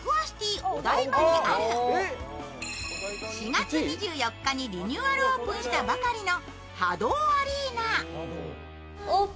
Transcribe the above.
４月２４日にリニューアルオープンしたばかりのＨＡＤＯＡＲＥＮＡ。